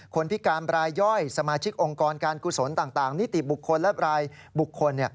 พิการบรายย่อยสมาชิกองค์กรการกุศลต่างนิติบุคคลและรายบุคคล